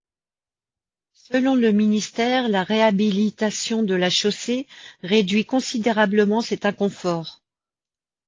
Selon le ministère, la réhabilitation de la chaussée réduit considérablement cet inconfort.